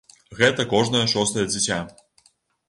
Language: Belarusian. Гэта кожнае шостае дзіця.